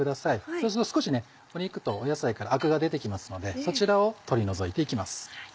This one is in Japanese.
そうすると少し肉と野菜からアクが出て来ますのでそちらを取り除いて行きます。